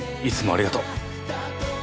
いつもありがとう。